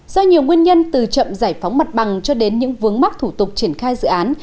do nhiều nguyên nhân từ chậm giải phóng mặt bằng cho đến những vướng mắc thủ tục triển khai dự án